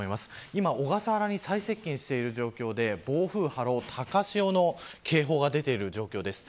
今小笠原に最接近している状況で暴風、波浪、高潮の警報が出ている状況です。